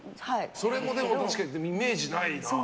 それも、確かにイメージないな。